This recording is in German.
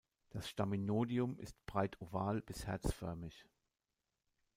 Das Staminodium ist breit oval bis herzförmig.